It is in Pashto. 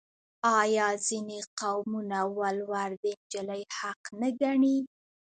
آیا ځینې قومونه ولور د نجلۍ حق نه ګڼي؟